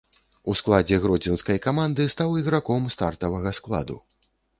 У складзе гродзенскай каманды стаў іграком стартавага складу.